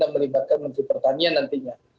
menggunakan menteri pertanian nantinya